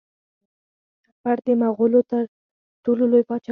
اکبر د مغولو تر ټولو لوی پاچا و.